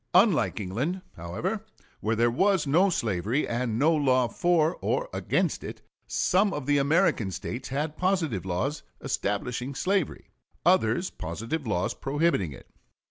Unlike England, however, where there was no slavery and no law for or against it, some of the American States had positive laws establishing slavery, others positive laws prohibiting it.